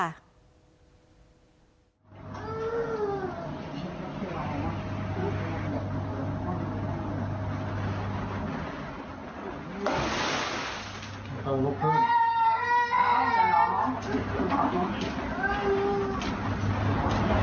โอ้ยแล้วที่ร้องนั่นคือคนหรือผีค่ะไม่แน่ใจเลยค่ะ